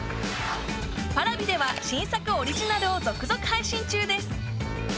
Ｐａｒａｖｉでは新作オリジナルを続々配信中です